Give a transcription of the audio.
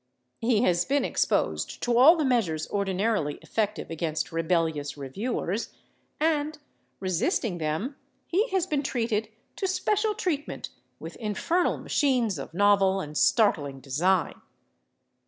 He has been exposed to all the measures ordinarily effective against rebellious reviewers, and, resisting them, he has been treated to special treatment with infernal machines of novel and startling design.